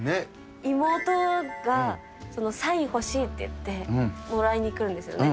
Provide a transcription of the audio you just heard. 妹が、サイン欲しいって言ってもらいに来るんですよね。